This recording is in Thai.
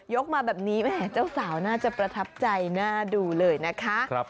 มาแบบนี้แหมเจ้าสาวน่าจะประทับใจน่าดูเลยนะคะ